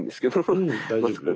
うん大丈夫よ。